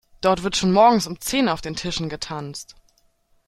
Dort wird schon morgens um zehn auf den Tischen getanzt.